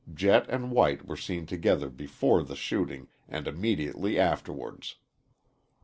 Jett and White were seen together before the shooting and immediately afterwards.